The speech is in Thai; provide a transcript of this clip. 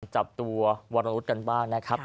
ตรงด้านจับตัววรรณุฑกันบ้างนะครับ